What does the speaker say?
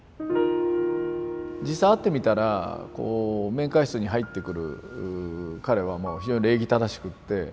実際会ってみたらこう面会室に入ってくる彼はもう非常に礼儀正しくって。